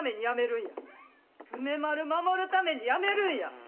梅丸守るためにやめるんや！